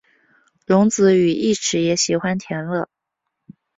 荣子与义持也喜欢田乐。